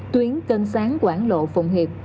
tuyến cân sáng quảng lộ phụng hiệp